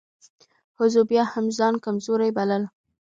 ښځو بيا هم ځان کمزورۍ بلل .